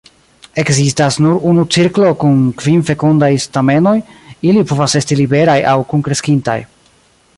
Ekzistas nur unu cirklo kun kvin fekundaj stamenoj; ili povas esti liberaj aŭ kunkreskintaj.